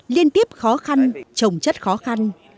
liên tiếp khó khăn trồng chất khó khăn